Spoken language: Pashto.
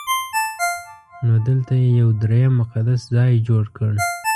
نو دلته یې یو درېیم مقدس ځای جوړ کړ.